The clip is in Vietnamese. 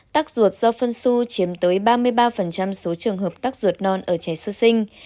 tắc ruột do phân su chiếm tới ba mươi ba số trường hợp tắc ruột non ở trẻ sơ sinh